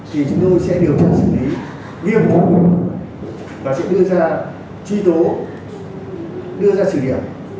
thì chúng tôi sẽ điều tra xử lý nghiêm vụ và sẽ đưa ra truy tố đưa ra xử điểm